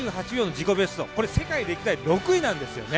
自己ベスト、これ世界歴代６位なんですよね。